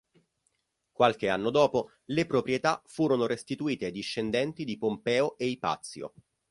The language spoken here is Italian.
Qualche anno dopo, le proprietà furono restituite ai discendenti di Pompeo e Ipazio.